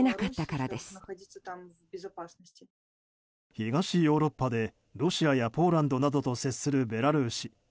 東ヨーロッパでロシアやポーランドなどと接するベラルーシ。